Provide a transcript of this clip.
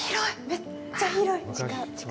めっちゃ広い。